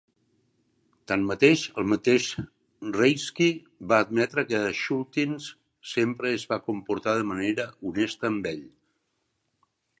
Tanmateix, el mateix Reiske va admetre que Schultens sempre es va comportar de manera honesta amb ell.